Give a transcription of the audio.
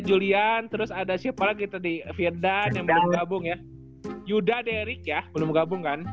julian terus ada siapa lagi tadi vietnam yang belum gabung ya yuda derik ya belum gabung kan